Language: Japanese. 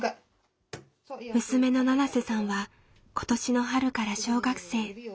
娘のななせさんは今年の春から小学生。